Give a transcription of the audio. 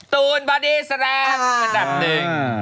ตูนสารั่ง